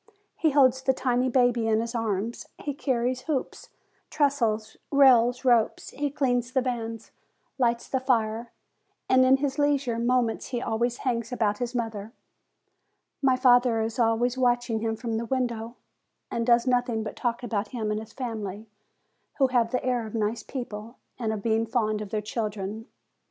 He holds the tiny baby in his arms; he carries hoops, trestles, rails, ropes; he cleans the vans, lights the fire, and in his leisure moments he always hangs about his mother. My father is always watching him from the window, and does nothing but talk about him and his family, who have the air of nice people, and of being fond of their children.